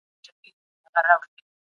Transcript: تقاضا به د عرضې سره مساوي کیږي.